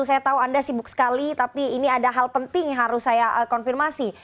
saya tahu anda sibuk sekali tapi ini ada hal penting yang harus saya konfirmasi